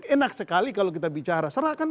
enak sekali kalau kita bicara serahkan